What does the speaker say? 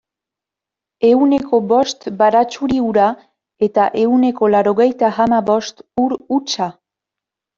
Ehuneko bost baratxuri ura eta ehuneko laurogeita hamabost ur hutsa.